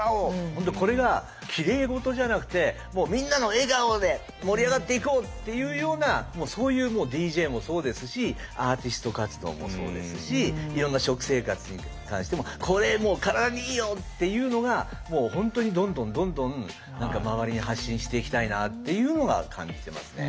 本当にこれがきれい事じゃなくてみんなの笑顔で盛り上がっていこう！っていうようなそういうＤＪもそうですしアーティスト活動もそうですしいろんな食生活に関してもこれ体にいいよっていうのが本当にどんどんどんどん周りに発信していきたいなっていうのが感じてますね。